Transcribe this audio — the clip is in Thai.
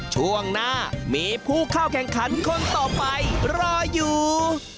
ช่วงหน้ามีผู้เข้าแข่งขันคนต่อไปรออยู่